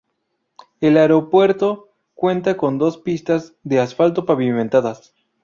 El aeropuerto cuenta con dos pistas de asfalto pavimentadas.